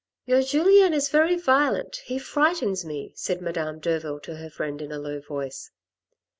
"Your Julien is very violent; he frightens me," said Madame Derville to her friend, in a low voice.